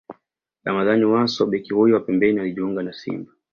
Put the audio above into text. Ramadhani Wasso Beki huyo wa pembeni alijiunga na Simba